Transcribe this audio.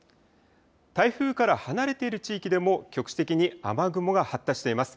台風から離れている地域でも局地的に雨雲が発達しています。